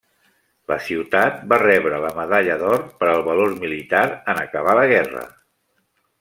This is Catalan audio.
La ciutat va rebre la Medalla d'Or per al Valor Militar en acabar la guerra.